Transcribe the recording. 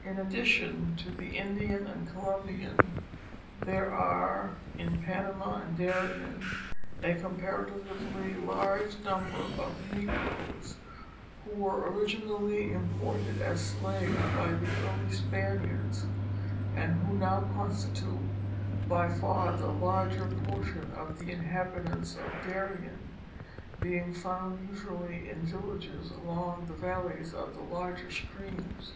In addition to the Indian and Colombian there are in Panama and Darien a comparatively large number of negroes, who were originally imported as slaves by the early Spaniards, 306 National Geographic' Magazine. and who now constitute by far the larger portion of the inhabit ants of Darien, being found usually in villages along the valleys of the larger streams.